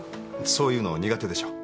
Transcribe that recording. そういうの苦手でしょ？